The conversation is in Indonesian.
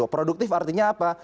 produktif artinya apa